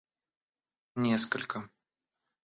несколько